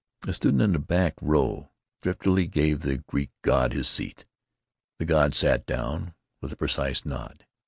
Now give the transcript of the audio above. A student in the back row thriftily gave the Greek god his seat. The god sat down, with a precise nod.